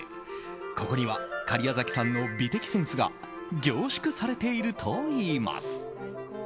ここには假屋崎さんの美的センスが凝縮されているといいます。